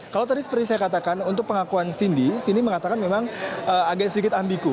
kalau tadi seperti saya katakan untuk pengakuan cindy cindy mengatakan memang agak sedikit ambiku